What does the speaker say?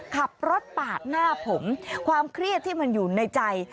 ขับรถปาดหน้าผมความเครียดที่มันอยู่ในใจ